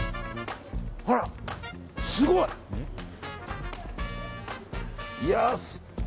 あら、すごい！安い！